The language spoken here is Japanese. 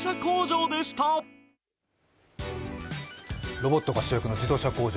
ロボットが主役の自動車工場。